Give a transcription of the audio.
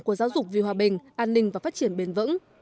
của giáo dục vì hòa bình an ninh và phát triển bền vững